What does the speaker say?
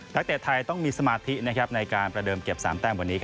เตะไทยต้องมีสมาธิในการประเดิมเก็บ๓แต้มวันนี้